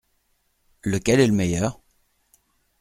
Lequel est le meilleur ?